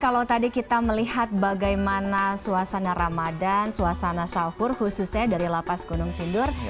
kalau tadi kita melihat bagaimana suasana ramadan suasana sahur khususnya dari lapas gunung sindur